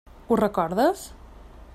Ho recordes?